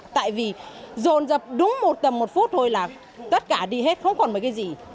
tại vì rồn dập đúng tầm một phút thôi là tất cả đi hết không còn mấy cái gì